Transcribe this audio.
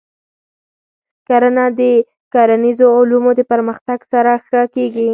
کرنه د کرنیزو علومو د پرمختګ سره ښه کېږي.